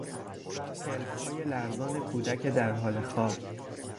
پلکهای لرزان کودک در حال خواب